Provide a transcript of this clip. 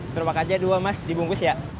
gerobak aja dua mas dibungkus ya